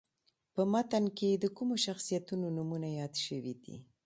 په متن کې د کومو شخصیتونو نومونه یاد شوي دي.